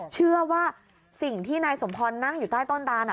เชื่อว่าสิ่งที่นายสมพรนั่งอยู่ใต้ต้นตาน